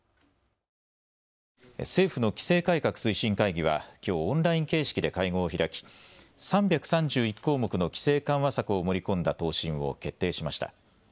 政府の規制改革推進会議はきょうオンライン形式で会合を開き３３１項目の規制緩和策を盛り込んだ答申を決定しました。